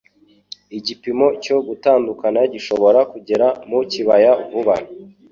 Igipimo cyo gutandukana gishobora kugera mu kibaya vuba.